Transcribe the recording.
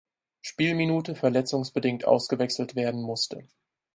Spielminute verletzungsbedingt ausgewechselt werden musste.